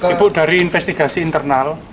ibu dari investigasi internal